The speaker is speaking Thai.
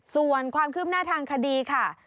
ส่วนความคืบหน้าทางคดีค่ะ